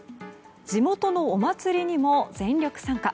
地元のお祭りにも全力参加。